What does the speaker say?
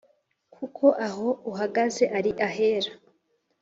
kuko aho uhagaze ari ahera